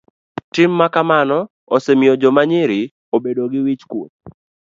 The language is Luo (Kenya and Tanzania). Tim makama osemiyo joma nyiri obedo gi wich kuot.